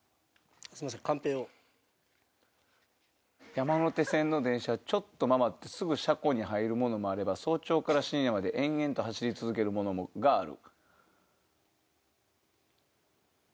山手線の電車はちょっと回ってすぐ車庫に入るものもあれば早朝から深夜まで延々と走り続けるものがある。